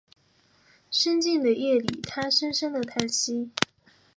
沈静的夜里他深深的叹息